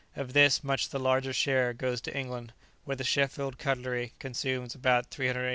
Of this, much the larger share goes to England, where the Sheffield cutlery consumes about 382,500 lbs.